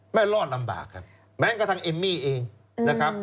รอดลำบากครับแม้กระทั่งเอมมี่เองนะครับ